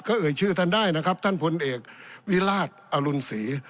เอ่ยชื่อท่านได้นะครับท่านพลเอกวิราชอรุณศรี